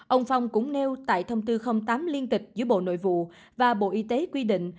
ông phong cũng nêu tại thông tư tám liên tịch giữa bộ nội vụ và bộ y tế quy định